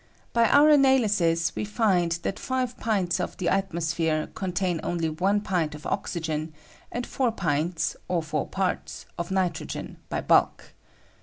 By our analysis, we find that 5 pints of the atmosphere contain only 1 pint of oxygen, and i pints, or 4 parts, of ni trogen by bulk.